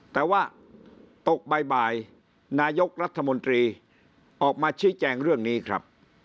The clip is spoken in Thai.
แต่ว่าตกบ่ายนายกรัฐมนตรีออกมาชี้แจงเรื่องนี้ครับ